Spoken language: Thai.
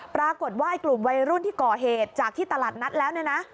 ปรากฏว่ากลุ่มวัยรุ่นที่ก่อเหตุจากที่ตลาดนัดแล้วเนี่ยนะ